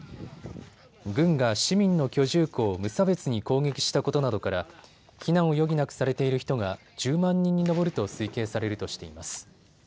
軍が市民の居住区を無差別に攻撃したことなどから避難を余儀なくされている人が１０万人に上ると推計されるとしています。